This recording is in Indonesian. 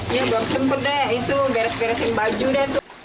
iya bersempat deh itu garis garisin baju deh tuh